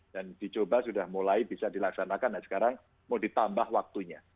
dan dicoba sudah mulai bisa dilaksanakan dan sekarang mau ditambah waktunya